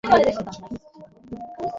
সাংবাদিক মাওলানা আকরাম খাঁ ছিলেন তার মামা।